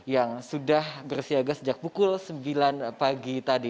yang sudah bersiaga sejak pukul sembilan pagi tadi